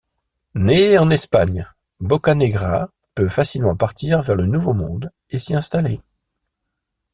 Né en Espagne, Bocanegra peut facilement partir vers le Nouveau Monde et s'y installer.